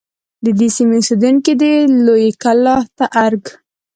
د دې سیمې اوسیدونکي دی لویې کلا ته ارگ